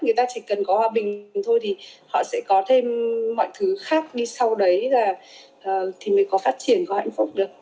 người ta chỉ cần có hòa bình thôi thì họ sẽ có thêm mọi thứ khác đi sau đấy và thì mới có phát triển có hạnh phúc được